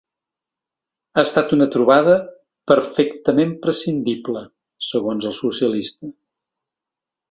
Ha estat una trobada ‘perfectament prescindible’, segons el socialista.